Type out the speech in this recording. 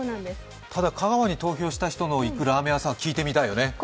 ただ、香川に投票した人の行くラーメン屋さん、聞いてみたいよね